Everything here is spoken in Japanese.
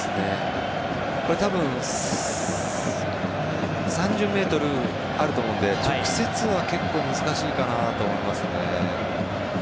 多分、３０ｍはあると思うので直接は結構難しいかなと思いますね。